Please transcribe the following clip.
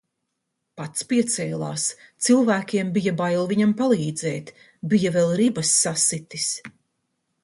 Pats piecēlās, cilvēkiem bija bail viņam palīdzēt. Bija vēl ribas sasitis.